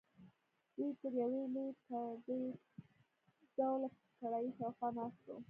دوی تر یوې لویې تبۍ ډوله کړایۍ شاخوا ناست وو.